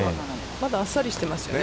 まだあっさりしていますよね。